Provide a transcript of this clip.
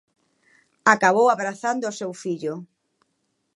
Acabou abrazando o seu fillo.